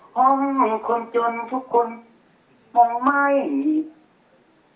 ของมงคนจนทุกคนมองไม้อีก